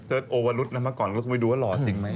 เซิร์ชโอวอลุตแล้วไปดูว่าหล่อสิ่งไหม